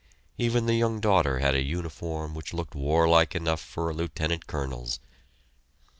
Even the young daughter had a uniform which looked warlike enough for a Lieutenant Colonel's.